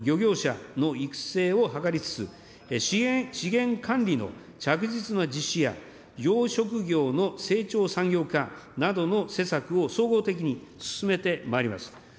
デジタル水産業戦略拠点の創設等を通じた、意欲ある漁業者の育成を図りつつ、資源管理の着実な実施や、養殖業の成長産業化などの施策を総合的に進めてまいります。